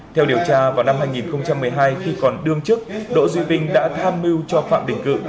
theo điều tra vào năm hai nghìn một mươi hai khi còn đương chức đỗ duy vinh đã tham mưu cho phạm đình cự